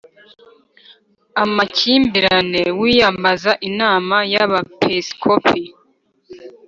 amakimbirane wiyambaza Inama y Abepiskopi